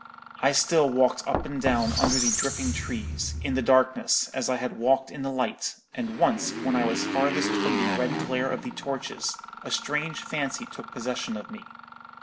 I still walked up and down under the dripping trees, in the darkness, as I had walked in the light; and once when I was farthest from the red glare of the torches, a strange fancy took possession of me.